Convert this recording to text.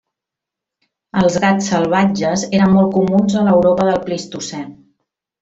Els gats salvatges eren molt comuns a l'Europa del Plistocè.